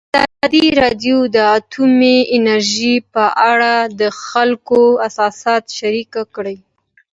ازادي راډیو د اټومي انرژي په اړه د خلکو احساسات شریک کړي.